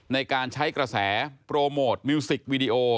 ในการใช้กระแสโปรโมทมิวสิกวีดีโอ